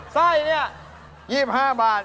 สร้อยนี่๒๕บาท